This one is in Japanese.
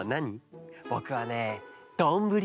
ぼくはねどんぶり。